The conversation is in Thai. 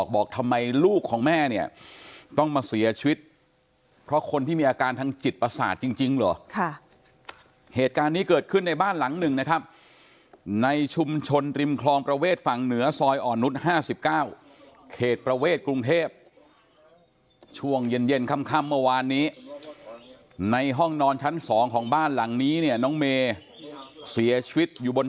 บอกทำไมลูกของแม่เนี่ยต้องมาเสียชีวิตเพราะคนที่มีอาการทางจิตประสาทจริงเหรอเหตุการณ์นี้เกิดขึ้นในบ้านหลังหนึ่งนะครับในชุมชนริมคลองประเวทฝั่งเหนือซอยอ่อนนุษย์๕๙เขตประเวทกรุงเทพช่วงเย็นเย็นค่ำเมื่อวานนี้ในห้องนอนชั้น๒ของบ้านหลังนี้เนี่ยน้องเมย์เสียชีวิตอยู่บน